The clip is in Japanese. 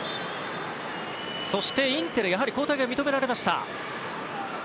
そして、インテルやはり交代が認められました。